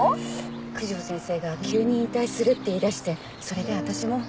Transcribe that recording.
九条先生が急に引退するって言いだしてそれで私も。